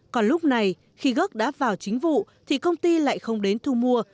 còn lúc này khi gốc đã vào chính vụ thì công ty lại không đến thu mua